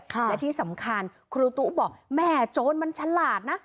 และที่สำคัญครูตู้บอกแม่โจรมันฉลาดนะ